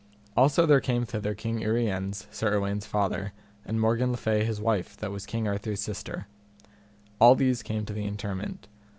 Also there came thither King Uriens, Sir Ewaine's father, and Morgan le Fay his wife that was King Arthur's sister. All these came to the interment.